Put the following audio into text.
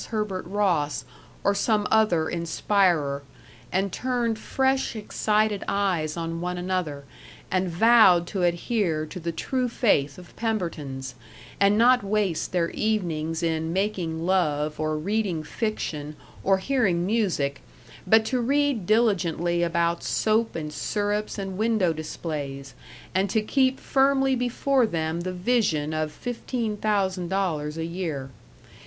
Herbert Ross or some other inspirer, and turned fresh, excited eyes on one another, and vowed to adhere to the true faith of Pemberton's, and not waste their evenings in making love, or reading fiction, or hearing music, but to read diligently about soap and syrups and window displays, and to keep firmly before them the vision of fifteen thousand dollars a year.